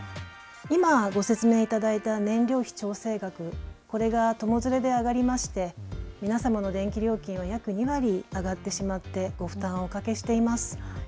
今ご説明いただいた燃料費調整額、これが友添で上がりまして、皆様の電気料金約２割上がってしまってご負担をおかけしています。